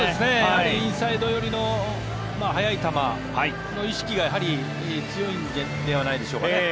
インサイド寄りの速い球の意識がやはり強いのではないでしょうか。